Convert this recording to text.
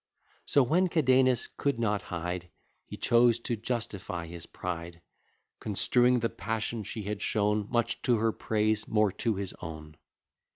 So when Cadenus could not hide, He chose to justify his pride; Construing the passion she had shown, Much to her praise, more to his own.